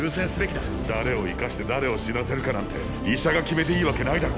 誰を生かして誰を死なせるかなんて医者が決めていいわけないだろ。